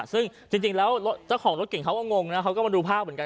ซึ่งจริงแล้วเจ้าของรถเก่งเขาก็งงนะเขาก็มาดูภาพเหมือนกัน